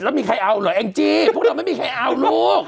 แล้วมีใครเอาเหรอแองจี้พวกเราไม่มีใครเอาลูก